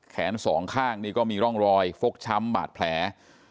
แขนสองข้างนี่ก็มีร่องรอยฟกช้ำบาดแผล